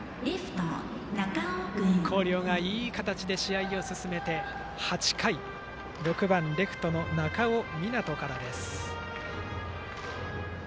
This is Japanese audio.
広陵がいい形で試合を進めて８回の攻撃６番レフトの中尾湊から。